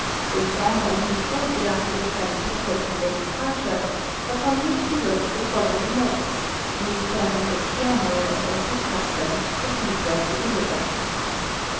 This dawned on him shortly after the friends had taken their departure, upon which he wrote the following notes, leaving them on the piano as was his custom, for Schindler to deliver.